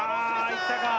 いったか。